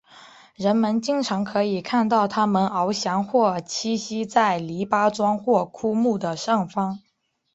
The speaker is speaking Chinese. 人们经常可以看到它们翱翔或栖息在篱笆桩或枯木的上方。